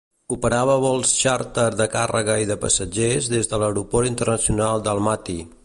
Operava vols xàrter de càrrega i de passatgers des de l'aeroport internacional d'Almaty.